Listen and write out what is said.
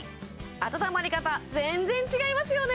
あたたまり方全然違いますよね